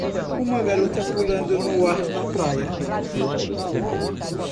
Uma garota pulando no ar na praia.